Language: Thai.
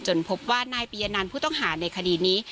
พบว่านายปียนันผู้ต้องหาในคดีนี้